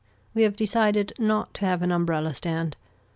We have decided not to have an umbrella stand.